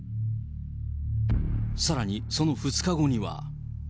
さらにその２日後には。